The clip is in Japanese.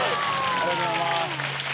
ありがとうございます。